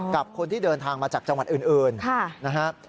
กับคนที่เดินทางมาจากจังหวัดอื่นนะครับ